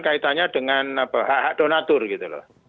kaitannya dengan hak hak donator